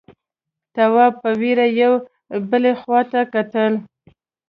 تواب په وېره يوې بلې خواته کتل…